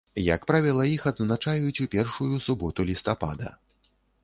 Як правіла, іх адзначаюць у першую суботу лістапада.